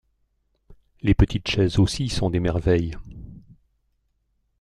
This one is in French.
Les petites chaises aussi sont des merveilles.